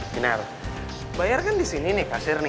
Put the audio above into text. binar bayar kan disini nih kasir nih